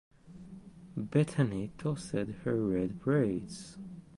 Bethany tossed her red braids.